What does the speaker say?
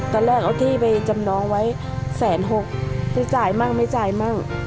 ตอนแรกเอาที่ไปจำนองไว้แสนหกจะจ่ายมั่งไม่จ่ายมั่ง